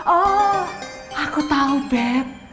oh aku tau beb